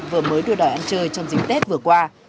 vừa mới đưa đòi ăn chơi trong dịp tết vừa qua